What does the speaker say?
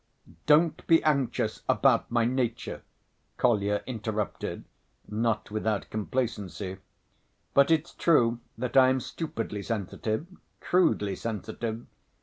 "Don't be anxious about my nature," Kolya interrupted, not without complacency. "But it's true that I am stupidly sensitive, crudely sensitive.